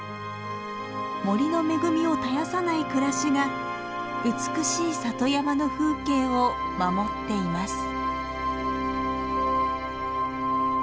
森の恵みを絶やさない暮らしが美しい里山の風景を守っています。